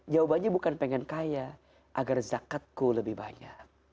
jawabannya bukan pengen kaya agar zakatku lebih banyak